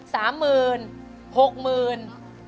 ๓หมื่น๖หมื่น